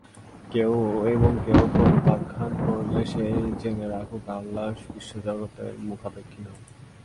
এবং কেউ প্রত্যাখ্যান করলে সে জেনে রাখুক, আল্লাহ্ বিশ্বজগতের মুখাপেক্ষী নন।